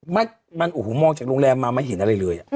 มันโอ้โหมองจากโรงแรมมาไม่เห็นอะไรเลย